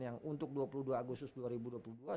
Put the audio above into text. yang untuk dua puluh dua agustus dua ribu dua puluh dua